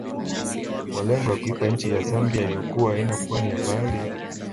Kwa lengo la kuipa nchi ya Zambia iliyokuwa haina pwani ya bahari